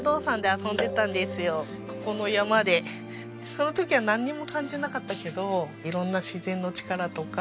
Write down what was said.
その時はなんにも感じなかったけど色んな自然の力とか。